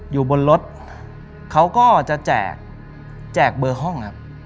อยู่บนรถเขาก็จะแจกเบอร์ห้องครับ